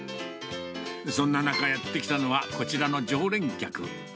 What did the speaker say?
そんな中、やって来たのは、こちらの常連客。